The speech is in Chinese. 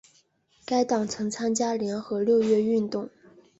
该党曾参加联合六月运动。